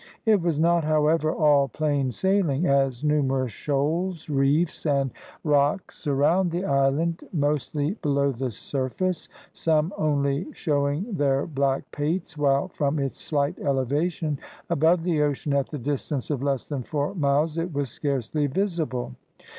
It was not, however, all plain sailing, as numerous shoals, reefs, and rocks surround the island mostly below the surface, some only showing their black pates, while from its slight elevation above the ocean at the distance of less than four miles it was scarcely visible.